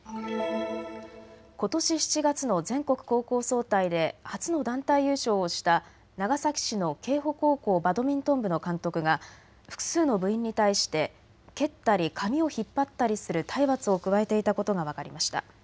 ことし７月の全国高校総体で初の団体優勝をした長崎市の瓊浦高校バドミントン部の監督が複数の部員に対して蹴ったり髪を引っ張ったりする体罰を加えていたことが分かりました。